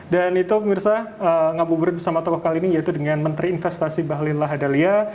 dan itu pengirsa ngabuburit bersama tokoh kali ini yaitu dengan menteri investasi bahlil lahadalia